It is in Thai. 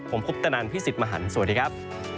ผมคุปตนันพี่สิทธิ์มหันฯสวัสดีครับ